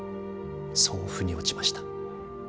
そう腑に落ちました。